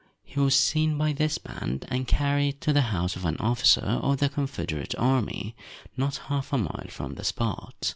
He was seen by this band, and carried to the house of an officer of the Confederate army, not half a mile from the spot.